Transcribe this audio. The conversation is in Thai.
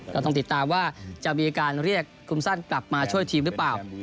ต้องติดตามว่าจะมีการเรียกคุมสั้นกลับมาช่วยทีมหรือเปล่า